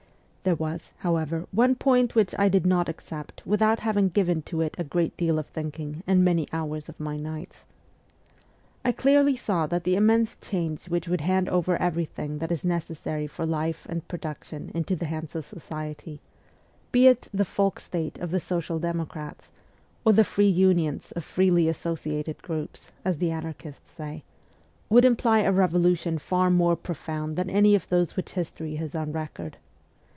There was, however, one point which I did not accept without having given to it a great deal of thinking and many hours of my nights. I clearly saw that the immense change which would hand over everything that is necessary for life and production into the hands of society be it the Folk State of the social democrats, or the free unions of freely associated groups, as the anarchists say would imply a revolution far more profound than any of those which history has on record.